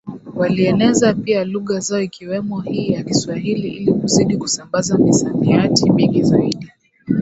walieneza pia lugha zao ikiwemo hii ya Kiswahili ili kuzidi kusambaza misamiati mingi zaidi